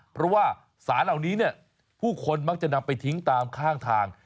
เพราะว่าสารเหล่านี้ผู้คนมักจะนำไปทิ้งตามข้างทาง